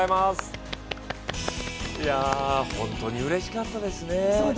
ホントにうれしかったですね。